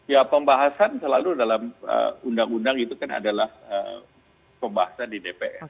ya pembahasan selalu dalam undang undang itu kan adalah pembahasan di dpr